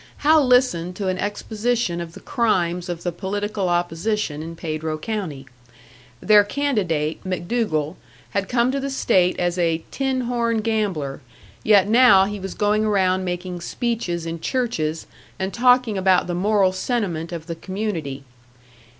Hal listened to an exposition of the crimes of the political opposition in Pedro County. Their candidate, MacDougall, had come to the state as a "tin horn gambler," yet now he was going around making speeches in churches, and talking about the moral sentiment of the community.